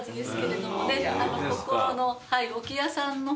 ここの。